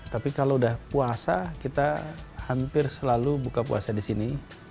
tapi kalau udah puasa kita hampir selalu buka puasa di sini